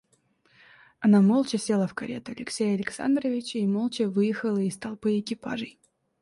Она молча села в карету Алексея Александровича и молча выехала из толпы экипажей.